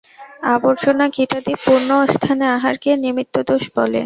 আবর্জনা-কীটাদি-পূর্ণ স্থানে আহারকে নিমিত্তদোষ বলে।